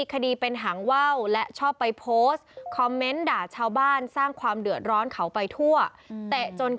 อันนี้เป็นโพสต์ที่คุณเสกคนเหยียน